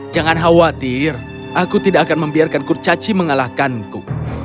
jangan khawatir aku tidak akan membiarkan kurcaci mengalahkanku